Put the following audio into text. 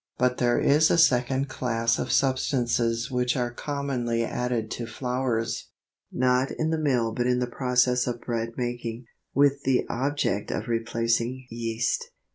But there is a second class of substances which are commonly added to flours, not in the mill but in the process of bread making, with the object of replacing yeast.